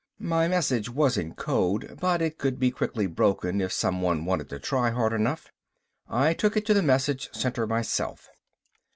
My message was in code, but it could be quickly broken if someone wanted to try hard enough. I took it to the message center myself.